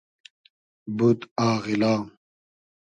بود آغیلا